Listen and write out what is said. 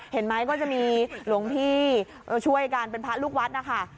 ก็จะมีหลวงพี่ช่วยกันเป็นพระลูกวัดนะคะ